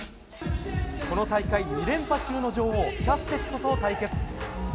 この大会２連覇中の女王キャステットと対決。